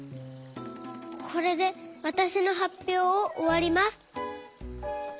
これでわたしのはっぴょうをおわります。